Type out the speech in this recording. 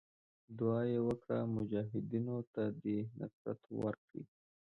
دعا یې وکړه مجاهدینو ته دې نصرت ورکړي.